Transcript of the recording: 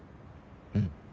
うん。